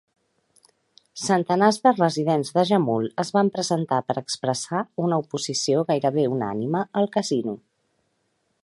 Centenars de residents de Jamul es van presentar per expressar una oposició gairebé unànime al casino.